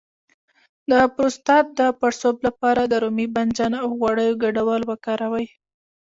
د پروستات د پړسوب لپاره د رومي بانجان او غوړیو ګډول وکاروئ